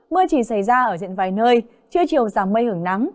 mưa chỉ xảy ra ở diện vài nơi chưa chịu giảm mây hứng nắng